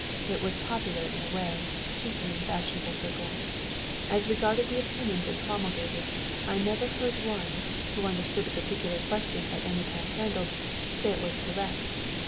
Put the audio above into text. It was popular in a way, chiefly in fashionable circles. As regarded the opinions it promulgated, I never heard one, who understood the particular question at any time handled, say it was correct.